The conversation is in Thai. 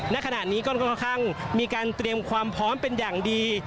ณขณะนี้ก็ค่อนข้างมีการเตรียมความพร้อมเป็นอย่างดี